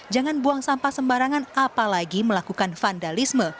jangan buang sampah sembarangan apalagi melakukan vandalisme